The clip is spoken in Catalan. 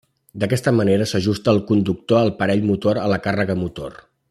D'aquesta manera s'ajusta el conductor el parell motor a la càrrega motor.